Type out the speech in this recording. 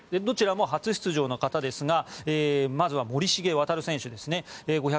どちらも初出場の方ですがまずは森重航選手。